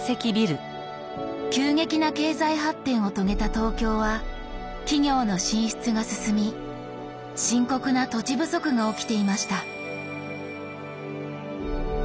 急激な経済発展を遂げた東京は企業の進出が進み深刻な土地不足が起きていました。